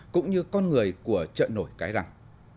cũng như con người của chợ nổi cái răng